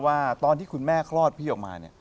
ว่าตอนที่คุณแม่คลอดพี่ออกมาเนี่ย